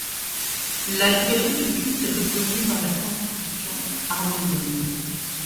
La liberté de culte est reconnue par la Constitution arménienne.